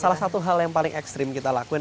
salah satu hal yang paling ekstrim kita lakuin